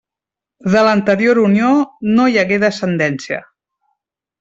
De l'anterior unió no hi hagué descendència.